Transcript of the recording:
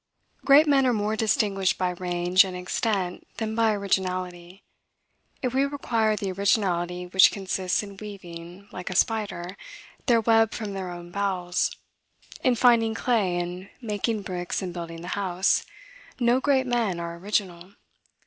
Great men are more distinguished by range and extent than by originality. If we require the originality which consists in weaving, like a spider, their web from their own bowels; in finding clay, and making bricks and building the house, no great men are original.